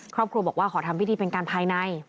ครอบครัวบอกว่าขอทำพิธีเป็นการภายใน